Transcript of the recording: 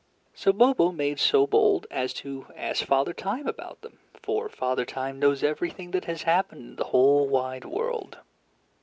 So Bobo made so bold as to ask Father Time about them, for Father Time knows everything that has happened in the whole wide world.